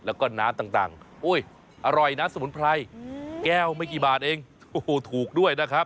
แล้วก็น้ำต่างโอ้ยอร่อยนะสมุนไพรแก้วไม่กี่บาทเองโอ้โหถูกด้วยนะครับ